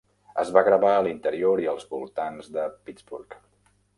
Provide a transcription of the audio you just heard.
Es va gravar a l'interior i els voltants de Pittsburgh.